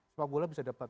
sepak bola bisa dapat